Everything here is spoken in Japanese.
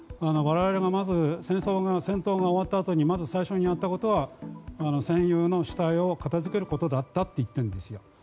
我々がまず戦闘が終わったあとに最初にやったことは戦友の死体を片付けることだったと言ってるんです。